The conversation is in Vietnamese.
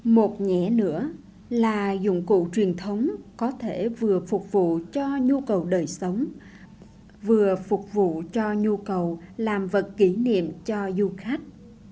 một nhẹ nữa là dụng cụ truyền thống có thể vừa phục vụ cho nhu cầu đời sống vừa phục vụ cho nhu cầu làm vật kỷ niệm cho du khách